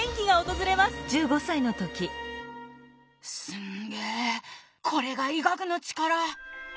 すんげえこれが医学の力！